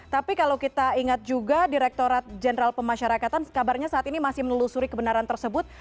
tapi kalau kita ingat juga direkturat jenderal pemasyarakatan kabarnya saat ini masih menelusuri kebenaran tersebut